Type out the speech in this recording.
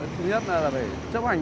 thứ nhất là phải chấp hành